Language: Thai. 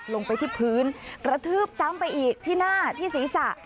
ลงไปที่พื้นกระทืบซ้ำไปอีกที่หน้าที่ศีรษะ